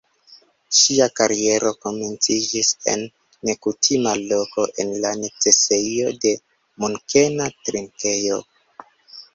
Ŝia kariero komenciĝis en nekutima loko: en la necesejo de Munkena drinkejo.